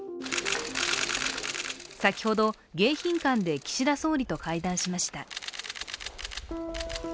先ほど迎賓館で岸田総理と会談しました。